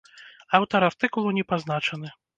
Аўтар артыкулу не пазначаны.